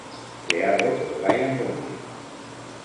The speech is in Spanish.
Creado por Brian Lumley.